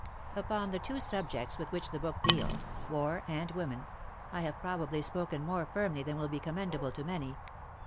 Upon the two subjects with which the book deals —" War and Women," I have probably spoken more firmly than will be commendable to many.